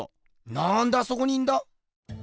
なんであそこにいんだ？